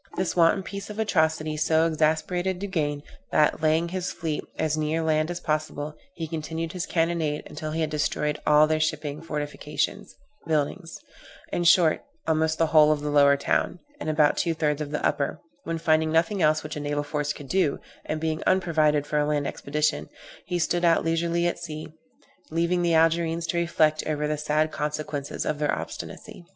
This wanton piece of atrocity so exasperated Duguesne, that, laying his fleet as near land as possible, he continued his cannonade until he had destroyed all their shipping, fortifications, buildings; in short, almost the whole of the lower town, and about two thirds of the upper; when finding nothing else which a naval force could do, and being unprovided for a land expedition, he stood out leisurely to sea, leaving the Algerines to reflect over the sad consequences of their obstinacy.